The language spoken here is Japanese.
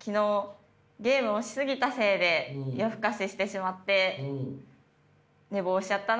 昨日ゲームをし過ぎたせいで夜更かししてしまって寝坊しちゃったな。